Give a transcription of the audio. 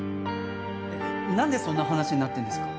なんでそんな話になってるんですか？